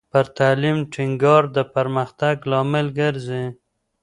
پر تعلیم ټینګار د پرمختګ لامل ګرځي.